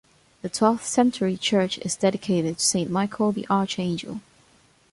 The twelfth- century church is dedicated to Saint Michael the Archangel.